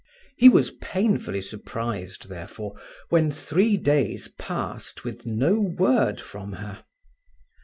He was painfully surprised, therefore, when three days passed with no word from her.